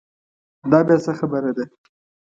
دا بیا څه خبره ده.